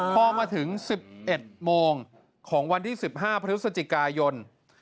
พอมาถึง๑๑โมงของวันที่๑๕พฤศจิกายน